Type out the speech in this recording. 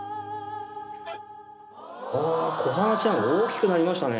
小花ちゃん大きくなりましたね。